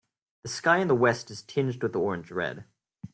The sky in the west is tinged with orange red.